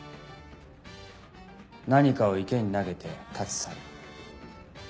何かを池に投げて立ち去る。